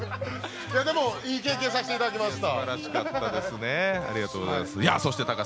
でも、いい経験させていただきました。